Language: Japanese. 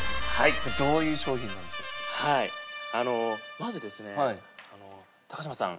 まずですね高嶋さん。